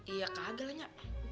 iya kagak lah nyatau